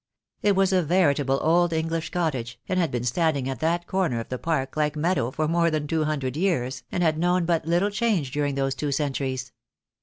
It was a veritable old Eng lish cottage, and had been standing at that corner of the park like meadow for more than two hundred years, and had known but little change during those two centuries.